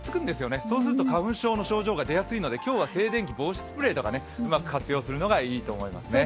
そうすると花粉症の症状が出やすいので、今日は静電気防止スプレーなどうまく活用するのがいいと思いますね。